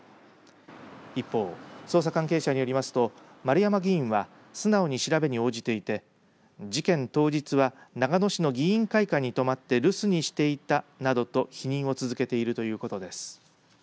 一方、捜査関係者によりますと丸山議員は素直に調べに応じていて事件当日は長野市の議員会館に泊まって留守にしていたなどと否認を続けているということです。